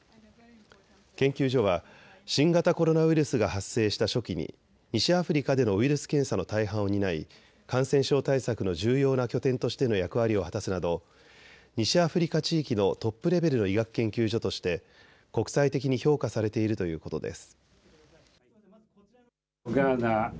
研究所は新型コロナウイルスが発生した初期に西アフリカでのウイルス検査の大半を担い感染症対策の重要な拠点としての役割を果たすなど西アフリカ地域のトップレベルの医学研究所として国際的に評価されているということです。